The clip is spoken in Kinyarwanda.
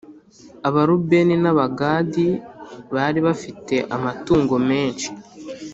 Abarubeni n Abagadi bari bafite amatungo menshi